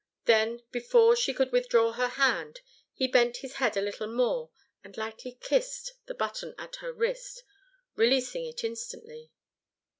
Then, before she could withdraw her hand, he bent his head a little more and lightly kissed the button at her wrist, releasing it instantly.